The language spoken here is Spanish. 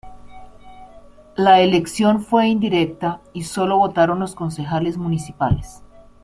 La elección fue indirecta y solo votaron los Concejales Municipales.